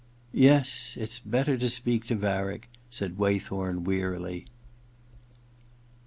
^ *Yes — it's better to speak to Varick/ said j Waythorn wearily.